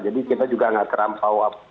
jadi kita juga nggak terampau